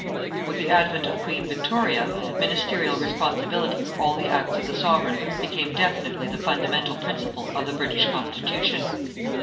With the advent of Queen Victoria, ministerial responsibility for all the acts of the Sovereign became definitely the fundamental principle of the British constitution.